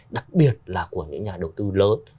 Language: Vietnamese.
đặc biệt là của những nhà đầu tư lớn